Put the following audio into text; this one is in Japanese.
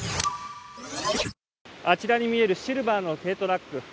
あちらに見えるシルバーの軽トラック。